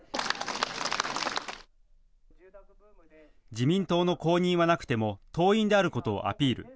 自民党の公認はなくても党員であることをアピール。